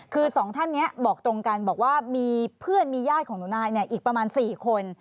คือสองท่านนี้บอกตรงกันบอกว่ามีเพื่อนมีญาติของหนูนายเนี่ยอีกประมาณ๔คน